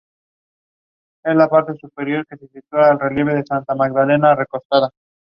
El montaje del vídeo es similar al de Michael Jackson y Janet Jackson "Scream".